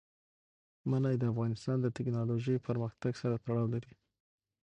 منی د افغانستان د تکنالوژۍ پرمختګ سره تړاو لري.